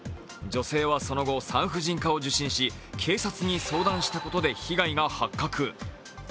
女性はその後、産婦人科を受診し警察に相談したことが被害が発覚。